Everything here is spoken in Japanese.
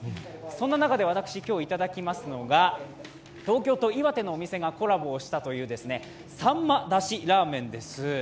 そんな中で今日、私、いただきますのは東京都、岩手のお店がコラボしたという、秋刀魚だしらーめんです。